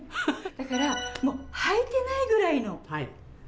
だからもうはいてないぐらいの軽さで。